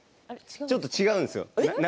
ちょっと違うんですよ。